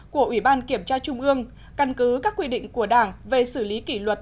của ủy ban kiểm tra trung ương căn cứ các quy định của đảng về xử lý kỷ luật